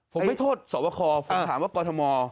ผมไม่โทษสวบคผมถามว่ากรทม